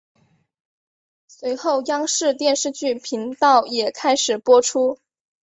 随后央视电视剧频道也开始播出。